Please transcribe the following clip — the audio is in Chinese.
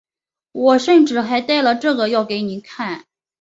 我甚至还带了这个要给你看